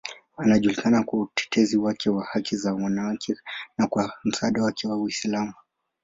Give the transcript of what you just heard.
Anajulikana kwa utetezi wake wa haki za wanawake na kwa msaada wake wa Uislamu.